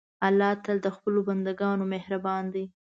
الله تل د خپلو بندهګانو مهربان دی.